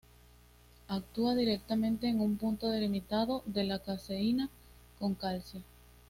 Actúa directamente en un punto delimitado de la caseína con calcio.